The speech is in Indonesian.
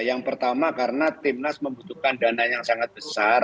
yang pertama karena timnas membutuhkan dana yang sangat besar